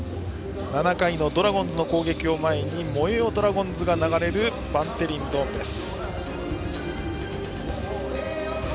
７回のドラゴンズの攻撃を前に「燃えよドラゴンズ！」が流れるバンテリンドームです。